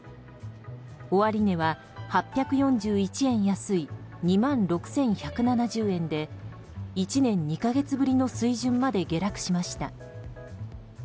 終値は８４１円安い２万６１７０円で１年２か月ぶりの水準まで下落しました。